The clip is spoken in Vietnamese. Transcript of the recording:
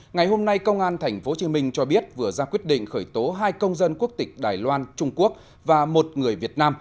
ngày hôm nay công an tp hcm cho biết vừa ra quyết định khởi tố hai công dân quốc tịch đài loan trung quốc và một người việt nam